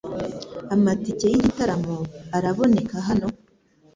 Amatike yigitaramo araboneka hano?